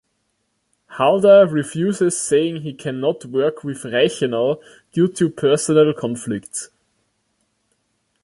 Halder refuses saying he cannot work with Reichenau due to personal conflicts.